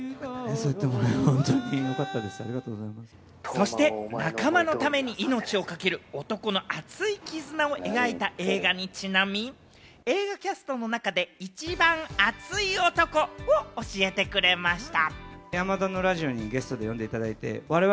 そして仲間のために命を懸ける男の熱い絆を描いた映画にちなみ、映画キャストの中で一番熱い男を教えてくれました。